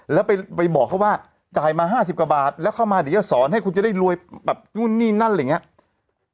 แล้วไปบอกเขาว่าจ่ายมา๕๐กว่าบาทแล้วเข้ามาเดี๋ยวจะสอนให้คุณจะได้รวยแบบนู่นนี่นั่นอะไรอย่างนี้